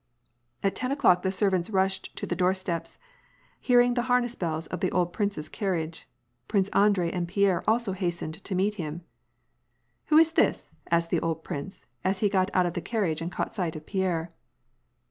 At ten o'clock the servants rushed to the doorsteps, hearing the harness bells of the old prince's carriage. Prince Andrei and Pierre also hastened to meet him. " Who is this ?" asked the old prince, as he got out of the carriage and caught sight of Pierre.